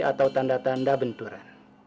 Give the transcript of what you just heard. atau tanda tanda benturan